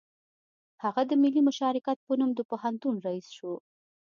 هغه د ملي مشارکت په نوم د پوهنتون رییس شو